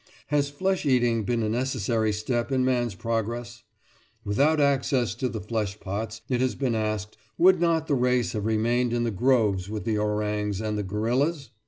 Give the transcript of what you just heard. Has flesh eating been a necessary step in man's progress? Without access to the flesh pots, it has been asked, would not the race have remained in the groves with the orangs and the gorillas?